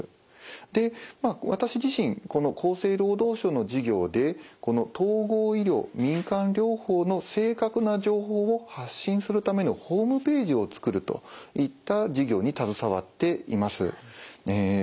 で私自身この厚生労働省の事業でこの統合医療民間療法の正確な情報を発信するためのホームページを作るといった事業に携わっています。